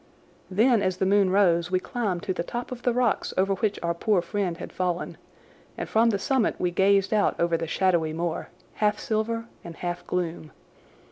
Then as the moon rose we climbed to the top of the rocks over which our poor friend had fallen, and from the summit we gazed out over the shadowy moor, half silver and half gloom.